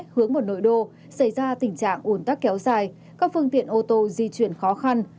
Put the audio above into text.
hướng vào nội đô xảy ra tình trạng ủn tắc kéo dài các phương tiện ô tô di chuyển khó khăn